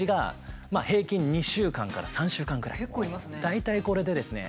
大体これでですね